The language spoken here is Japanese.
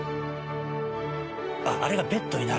あっあれがベッドになる。